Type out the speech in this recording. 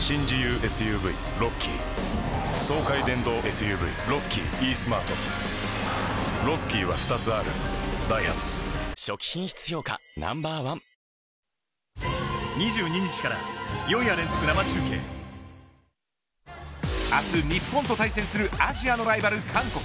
ＳＵＶロッキーイースマートロッキーは２つあるダイハツ初期品質評価Ｎｏ．１明日、日本と対戦するアジアのライバル韓国。